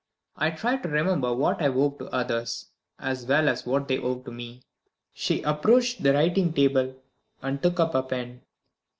I try to remember what I owe to others as well as what they owe to me." She approached the writing table, and took up a pen.